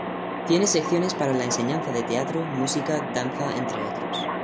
Tiene secciones para la enseñanza de teatro, música, danza entre otros.